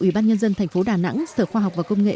ủy ban nhân dân tp đà nẵng sở khoa học và công nghệ